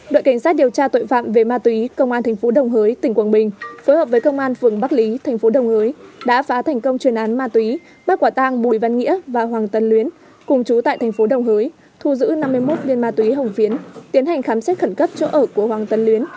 đội cảnh sát điều tra tội phạm về ma túy công an tp đồng hới tỉnh quảng bình phối hợp với công an phường bắc lý tp đồng hới đã phá thành công truyền án ma túy bắt quả tàng bùi văn nghĩa và hoàng tân luyến cùng trú tại tp đồng hới thu giữ năm mươi một viên ma túy hồng phiến tiến hành khám xét khẩn cấp chỗ ở của hoàng tân luyến